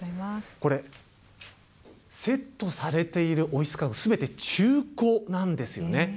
これ、セットされているオフィス家具、すべて中古なんですよね。